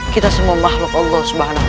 kita semua mahluk allah